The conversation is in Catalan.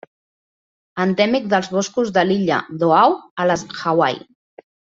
Endèmic dels boscos de l'illa d'Oahu, a les Hawaii.